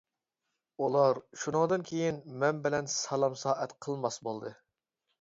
ئۇلار شۇنىڭدىن كىيىن مەن بىلەن سالام-سائەت قىلماس بولدى.